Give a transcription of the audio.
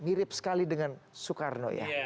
mirip sekali dengan soekarno ya